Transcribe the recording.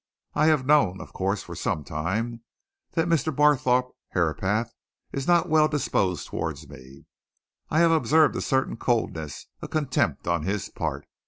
"I have known, of course, for some time that Mr. Barthorpe Herapath is not well disposed towards me. I have observed a certain coldness, a contempt, on his part.